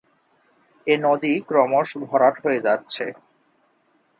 এ নদী ক্রমশ ভরাট হয়ে যাচ্ছে।